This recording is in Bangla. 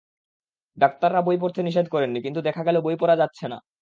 ডাক্তাররা বই পড়তে নিষেধ করেন নি, কিন্তু দেখা গেল বই পড়া যাচ্ছে না।